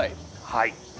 はい。